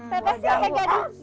pepe siapa yang gaduh